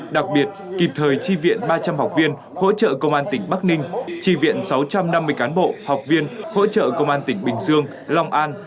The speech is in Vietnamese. đặc biệt kịp thời tri viện ba trăm linh học viên hỗ trợ công an tỉnh bắc ninh tri viện sáu trăm năm mươi cán bộ học viên hỗ trợ công an tỉnh bình dương long an